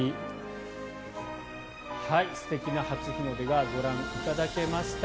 素敵な初日の出がご覧いただけました。